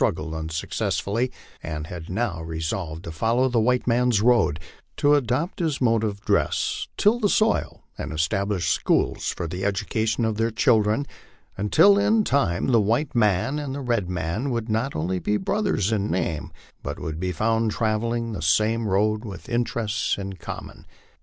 gled unsuccessfully, and had now resolved to follow the white man's road, to adopt his mode of dress, till the soil, and establish schools for the education of their children, until in time the white man and the red man would not only be brothers in name, but would be found travelling the same road with interests in common.